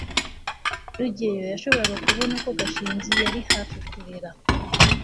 rugeyo yashoboraga kubona ko gashinzi yari hafi kurira